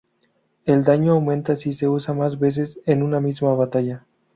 El daño aumenta si se usa más veces en una misma batalla.